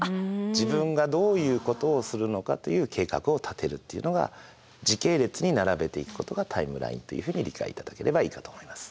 自分がどういうことをするのかという計画を立てるっていうのが時系列に並べていくことがタイムラインというふうに理解いただければいいかと思います。